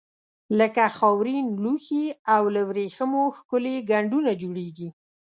لکه خاورین لوښي او له وریښمو ښکلي ګنډونه جوړیږي.